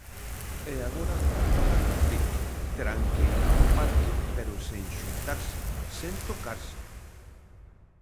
E agora toca cumprir, terán que ir ao parque pero sen xuntarse, sen tocarse!